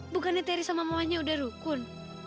bukannya teri sama mamanya udah rukun